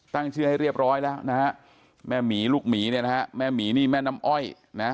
ตั้งชื่อให้เรียบร้อยแล้วนะฮะแม่หมีลูกหมีเนี่ยนะฮะแม่หมีนี่แม่น้ำอ้อยนะ